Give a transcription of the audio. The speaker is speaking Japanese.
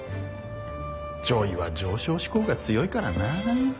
女医は上昇志向が強いからな。